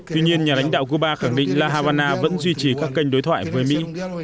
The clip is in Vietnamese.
tuy nhiên nhà lãnh đạo cuba khẳng định là havana vẫn duy trì các kênh đối thoại với mỹ